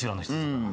うん。